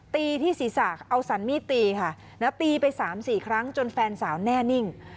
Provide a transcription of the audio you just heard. ตีที่ศีรษะเอาสันมีดตีค่ะแล้วตีไป๓๔ครั้งจนแฟนสาวแน่นิ่ง